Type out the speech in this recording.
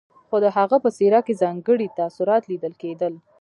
خو د هغه په څېره کې ځانګړي تاثرات ليدل کېدل.